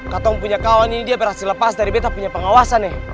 katong punya kawan ini dia berhasil lepas dari beta punya pengawasan nih